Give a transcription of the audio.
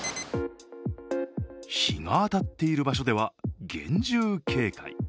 日が当たっている場所では厳重警戒。